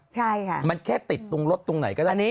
ใช่ค่ะมันแค่ติดตรงรถตรงไหนก็ได้